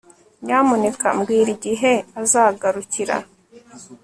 Nyamuneka mbwira igihe azagarukira